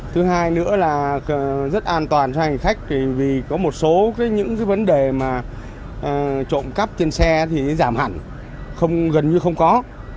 thứ hai nữa là rất an toàn cho hành khách vì có một số những vấn đề mà trộm cắp trên xe thì giảm hẳn không gần như không có